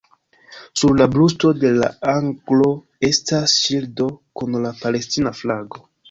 Sur la brusto de la aglo estas ŝildo kun la palestina flago.